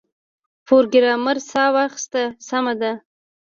پروګرامر ساه واخیسته سمه ده